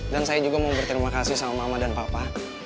dan saya juga mau berterima kasih sama mama dan papa